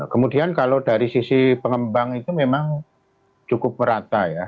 kemudian kalau dari sisi pengembang itu memang cukup merata ya